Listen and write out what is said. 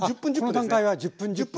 この段階は１０分１０分。